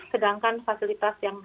sedangkan fasilitas yang